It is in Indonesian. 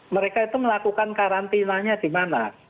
mereka itu melakukan karantinanya di mana